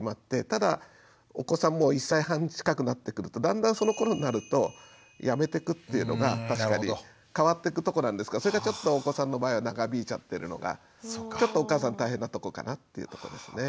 ただお子さんもう１歳半近くなってくるとだんだんそのころになるとやめてくっていうのが確かに変わってくとこなんですけどそれがちょっとお子さんの場合は長引いちゃってるのがちょっとお母さん大変なとこかなというとこですね。